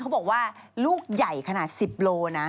เขาบอกว่าลูกใหญ่ขนาด๑๐โลนะ